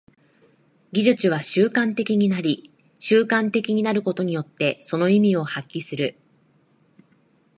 技術は習慣的になり、習慣的になることによってその意味を発揮する。